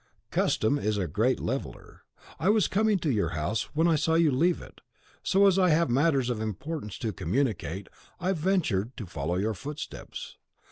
Custom is a great leveller. I was coming to your house when I saw you leave it; so, as I have matters of importance to communicate, I ventured to follow your footsteps.